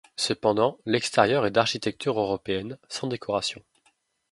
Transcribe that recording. Cependant l'extérieur est d'architecture européenne, sans décoration.